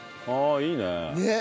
あいいね。